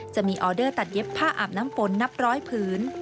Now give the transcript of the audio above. ออเดอร์ตัดเย็บผ้าอาบน้ำฝนนับร้อยผืน